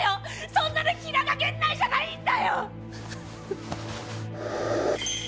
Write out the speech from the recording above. そんなの平賀源内じゃないんだよっ！